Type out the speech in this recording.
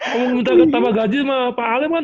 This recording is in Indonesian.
kamu minta tambah gaji sama pak alem kan